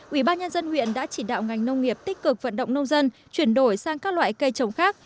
ubnd huyện đã chỉ đạo ngành nông nghiệp tích cực vận động nông dân chuyển đổi sang các loại cây trồng khác